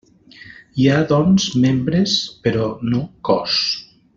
Hi ha, doncs, membres, però no cos.